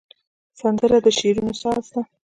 سندره د شعرونو ساز ده